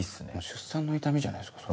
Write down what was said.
出産の痛みじゃないですか。